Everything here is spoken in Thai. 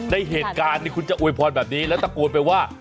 ในเหตุการณ์นี้เตี๋ยวจะโฟมคลอยแบบนี้แล้วตะโคดไปว่า